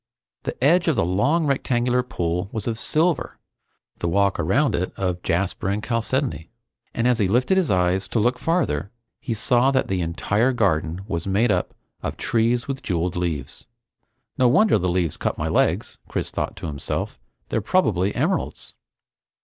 The edge of the long rectangular pool was of silver; the walk around it of jasper and chalcedony, and as he lifted his eyes to look farther, he saw that the entire garden was made up of trees with jewel leaves. No wonder the leaves cut my legs! Chris thought to himself. They're probably emeralds!